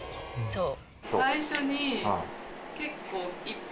そう。